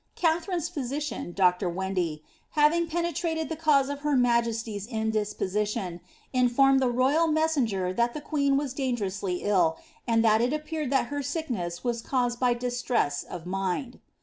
Kathi hne's physician. Dr. Wendy, having penetrated the cause of her mijesty% indisposition, informed the royal messenger that the queen was dao|^ ously ill, and that it appeared that her sickness was caused by distrev of mind."'